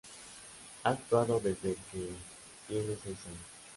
Ha actuado desde que tiene seis años.